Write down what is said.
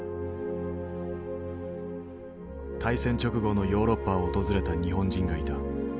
大戦直後のヨーロッパを訪れた日本人がいた。